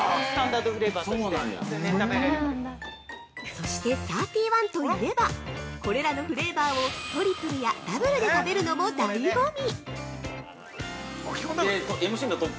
◆そしてサーティンワンといえばこれらのフレーバーをトリプルやダブルで食べるのも醍醐味。